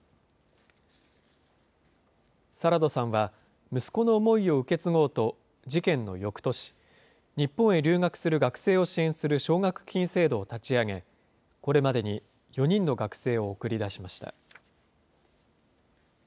サラドさんは息子の思いを受け継ごうと、事件のよくとし、日本へ留学する学生を支援する奨学金制度を立ち上げ、これまでに４人の学生を送り出しました。